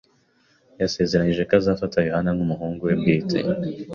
Yasezeranije ko azafata Yohana nkumuhungu we bwite.